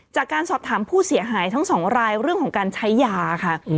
จากการสอบถามผู้เสียหายทั้งสองรายเรื่องของการใช้ยาค่ะ